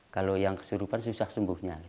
kalau yang kesurupan susah sembuhnya